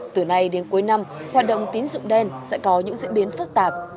từ nay đến cuối năm hoạt động tín dụng đen sẽ có những diễn biến phức tạp